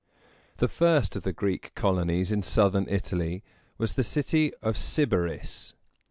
The first of the Greek colonies in southern Italy was the city of Syb´a ris.